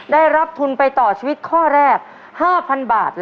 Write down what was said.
ได้รับทุนไปต่อชีวิตข้อแรก๕๐๐๐บาท